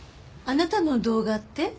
あなたの動画って？